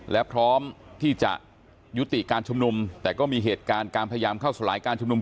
และพร้อมที่จะยุติการชุมนุมแต่ก็มีเหตุการณ์การพยายามเข้าสลายการชุมนุม